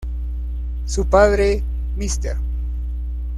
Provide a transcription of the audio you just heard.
Su padre, Mr.